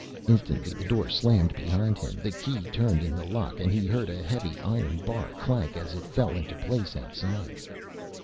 Instantly the door slammed behind him, the key turned in the lock, and he heard a heavy iron bar clank as it fell into place outside.